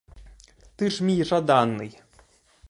Ти ж мій жаданий!